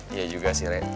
iya juga sih rey